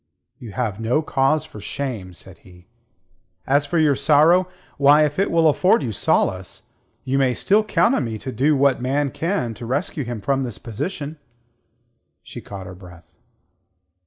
"You have no cause for shame," said he. "As for your sorrow why, if it will afford you solace you may still count on me to do what man can to rescue him from this position." She caught her breath.